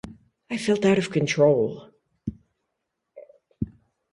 I felt out of control.